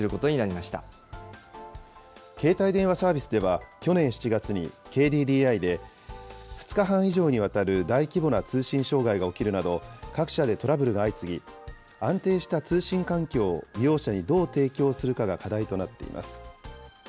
ま携帯電話サービスでは、去年７月にＫＤＤＩで、２日半以上にわたる大規模な通信障害が起きるなど各社でトラブルが相次ぎ、安定した通信環境を利用者にどう提供するかが課題となっています。